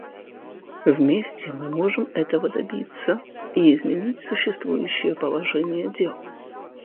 Вместе мы можем этого добиться и изменить существующее положение дел.